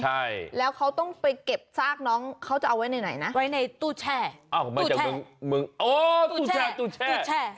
ใช่แล้วเขาต้องไปเก็บซากน้องเขาจะเอาไว้ไหนนะไว้ในตู้แช่อมาจากเมืองเมืองอ๋อตู้แช่ตู้แช่